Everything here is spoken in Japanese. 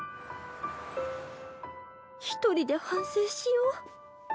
一人で反省しよう